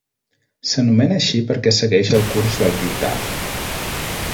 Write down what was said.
S'anomena així perquè segueix el curs del riu Taff.